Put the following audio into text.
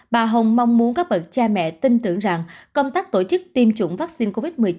bà hồng mong muốn các bậc cha mẹ tin tưởng rằng công tác tổ chức tiêm chủng vaccine covid một mươi chín